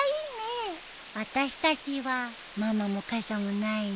あたしたちはママも傘もないね。